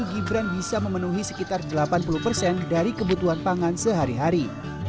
gibran bisa memenuhi sekitar delapan puluh persen dari kebutuhan pangan sehari hari